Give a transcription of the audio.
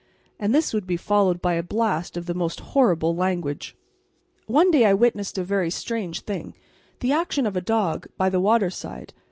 And this would be followed by a blast of the most horrible language. One day I witnessed a very strange thing, the action of a dog, by the waterside.